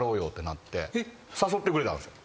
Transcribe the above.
なって誘ってくれたんですよ。